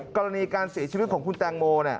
กรณีการเสียชีวิตของคุณแตงโม